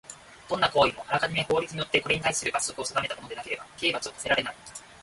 どんな行為もあらかじめ法律によってこれにたいする罰則を定めたものでなければ刑罰を科せられない。